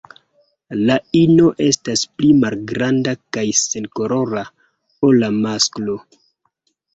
La ino estas pli malgranda kaj senkolora ol la masklo.